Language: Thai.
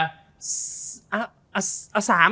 ออา๓อาทาง